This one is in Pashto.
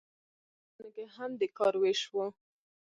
په پخوانیو ټولنو کې هم د کار ویش و.